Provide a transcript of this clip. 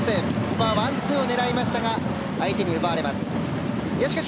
ここはワンツーを狙いましたが相手に奪われました。